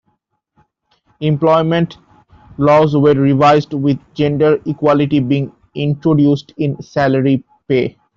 Employment laws were revised with gender equality being introduced in salary pay.